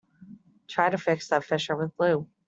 Try to fix that fissure with glue.